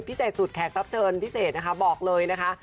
พิเศษสุดแขกรับเชิญพิเศษนะคะบอกเลยนะคะ